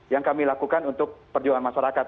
yang kami lakukan untuk perjuangan masyarakat